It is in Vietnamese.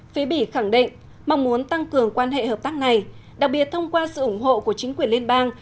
phía bỉ khẳng định mong muốn tăng cường quan hệ hợp tác này đặc biệt thông qua sự ủng hộ của chính quyền liên bang